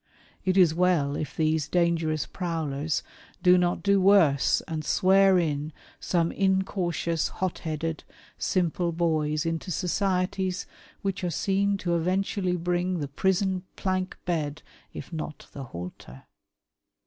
It is well if these dangerous prowlers do not do worse and "swear in" some incautious, hot headed, simple boys into societies which are seen to eventually brinsf the prison plank bed if not the halter.